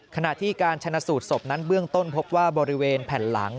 ขณะที่การชนะสูตรศพนั้นเบื้องต้นพบว่าบริเวณแผ่นหลัง